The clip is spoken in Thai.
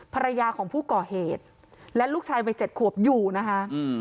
ภรรยาของผู้ก่อเหตุและลูกชายวัยเจ็ดขวบอยู่นะคะ